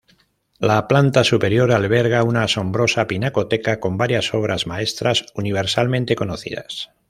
La planta superior alberga una asombrosa pinacoteca, con varias obras maestras universalmente conocidas.